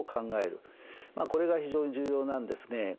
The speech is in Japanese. まあこれが非常に重要なんですね。